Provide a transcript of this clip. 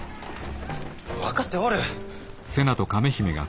分かっておる。